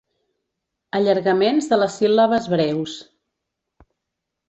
Allargaments de les síl·labes breus.